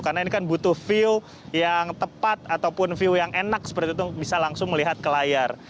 karena ini kan butuh view yang tepat ataupun view yang enak seperti itu bisa langsung melihat ke layar